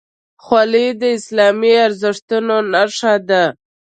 خولۍ د اسلامي ارزښتونو نښه ده.